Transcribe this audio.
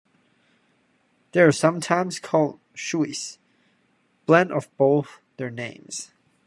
They are sometimes called "Shuis", blend of both their names.